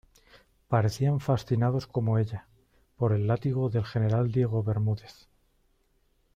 parecían fascinados como ella, por el látigo del general Diego Bermúdez.